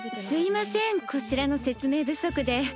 すいませんこちらの説明不足で。